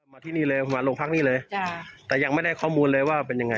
มาที่นี่เลยมาโรงพักนี่เลยแต่ยังไม่ได้ข้อมูลเลยว่าเป็นยังไง